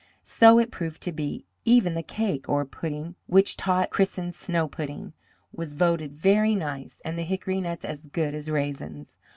So it proved to be; even the cake, or pudding, which Tot christened snow pudding, was voted very nice, and the hickory nuts as good as raisins.